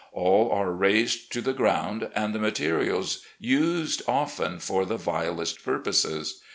All are razed to the ground, and the materials used often for the vilest purposes.